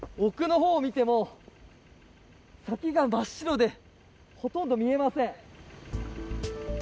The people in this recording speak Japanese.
奥のほうを見ても先が真っ白でほとんど見えません。